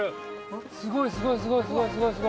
すごいすごいすごいすごい！